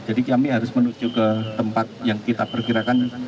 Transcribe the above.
jadi kami harus menuju ke tempat yang kita perkirakan